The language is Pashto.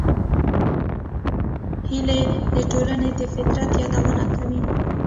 هیلۍ د ټولنې د فطرت یادونه کوي